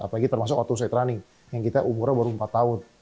apalagi termasuk ortus delapan running yang kita umurnya baru empat tahun